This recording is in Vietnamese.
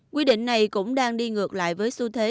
quy định này cũng đang đi ngược lại với xu thế